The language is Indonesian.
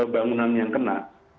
bangunan yang kena